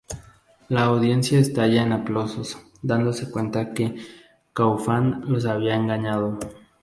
La audiencia estalla en aplausos, dándose cuenta de que Kaufman los había engañado.